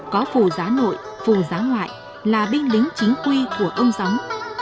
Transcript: có phù giá nội phù giáo ngoại là binh lính chính quy của ông gióng